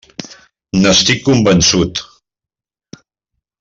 N'estic convençut.